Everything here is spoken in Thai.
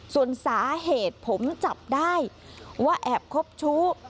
ส่วนสาเหตุผมจับได้ว่าแอบคบชู้